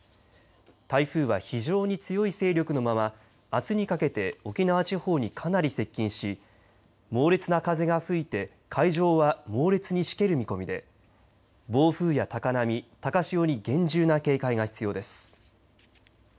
台風は非常に強い勢力のままあすにかけて沖縄地方にかなり接近し猛烈な風が吹いて海上は猛烈にしける見込みで暴風や高波、高潮に厳重な警戒が必要です。